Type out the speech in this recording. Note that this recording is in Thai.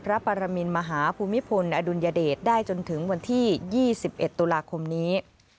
ปรมินมหาภูมิพลอดุลยเดชได้จนถึงวันที่๒๑ตุลาคมนี้